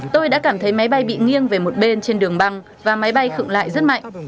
tôi đã cảm thấy máy bay bị nghiêng về một bên trên đường băng và máy bay khựng lại rất mạnh